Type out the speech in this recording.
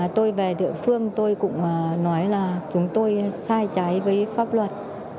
tôi về địa phương tôi cũng nói là chúng tôi sai trái với pháp luật